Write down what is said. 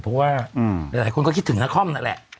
เพราะว่าหลายคนก็คิดถึงนครนั่นแหละ